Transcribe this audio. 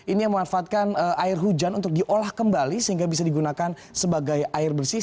ini yang memanfaatkan air hujan untuk diolah kembali sehingga bisa digunakan sebagai air bersih